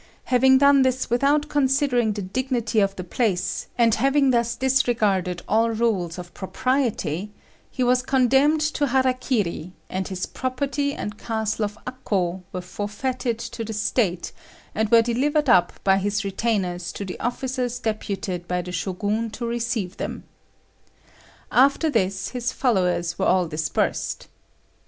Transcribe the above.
Having done this without considering the dignity of the place, and having thus disregarded all rules of propriety, he was condemned to hara kiri, and his property and castle of Akô were forfeited to the State, and were delivered up by his retainers to the officers deputed by the Shogun to receive them. After this his followers were all dispersed.